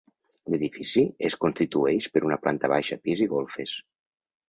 L'edifici es constitueix per una planta baixa, pis i golfes.